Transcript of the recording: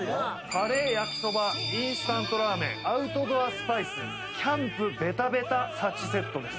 カレー焼きそばインスタントラーメンアウトドアスパイスキャンプベタベタ幸セットです